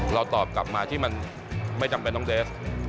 เราตอบกลับมาที่มันไม่จำเป็นต้องเดส